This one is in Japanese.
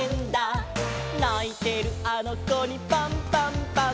「ないてるあのこにパンパンパン！！」